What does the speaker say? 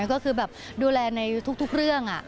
ก็คือแบบดูแลในทุกเรื่อง